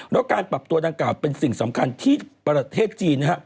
แล้วการปรับตัวดังกล่าวเป็นสิ่งสำคัญที่ประเทศจีนนะฮะ